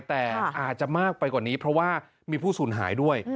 แต่อาจจะมากไปกว่านี้เพราะว่ามีผู้สูญหายด้วย